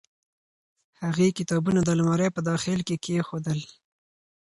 هغې کتابونه د المارۍ په داخل کې کېښودل.